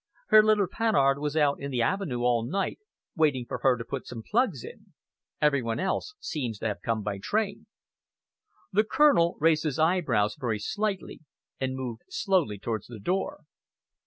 "Her little Panhard was out in the avenue all night, waiting for her to put some plugs in. Every one else seems to have come by train." The Colonel raised his eyebrows very slightly and moved slowly towards the door.